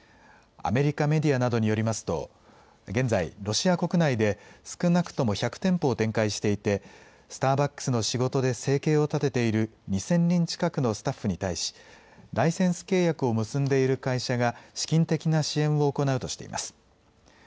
アメリカメディアなどによりますと現在、ロシア国内で少なくとも１００店舗を展開していてスターバックスの仕事で生計を立てている２０００人近くのスタッフに対し、ライセンス契約を結んでいる会社が資金的な支援を行うとしています。